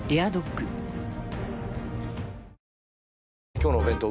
今日のお弁当